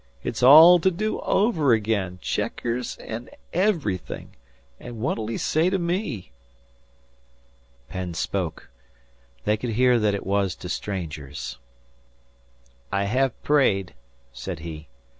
"It's all to do over again, checkers and everything an' what'll he say to me?" Penn spoke; they could hear that it was to strangers. "I have prayed," said he.